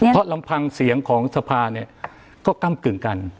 เพราะลำพังเสียงของสภาเนี่ยก็ก้ำกึ่งกัน